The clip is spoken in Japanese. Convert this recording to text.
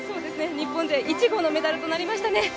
日本勢１号のメダルとなりましたね。